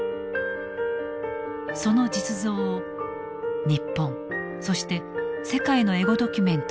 その実像を日本そして世界のエゴドキュメントから見つめる。